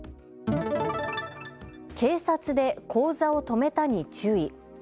警察で口座を止めたに注意。